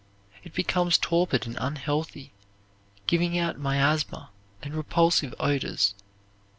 It becomes torpid and unhealthy giving out miasma and repulsive odors.